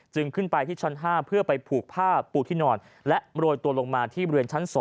ขึ้นไปที่ชั้น๕เพื่อไปผูกผ้าปูที่นอนและโรยตัวลงมาที่บริเวณชั้น๒